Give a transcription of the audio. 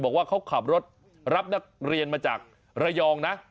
บอกว่าเขาขับรถรับนักเรียนมาจากระยองนะ